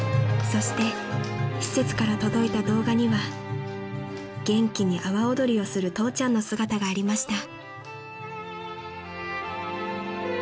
［そして施設から届いた動画には元気に阿波踊りをする父ちゃんの姿がありました］